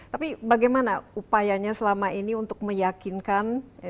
tapi bagaimana upayanya selama ini untuk meyakinkan